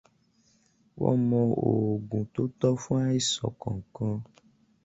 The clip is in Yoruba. Wọ́n mọ oògùn tó tọ́ fún àìsàn kọ̀ọ̀kan.